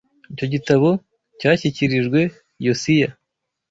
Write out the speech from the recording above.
Icyo gitabo cyashyikirijwe Yosiya